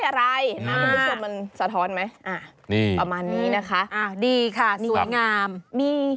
ไซส์ลำไย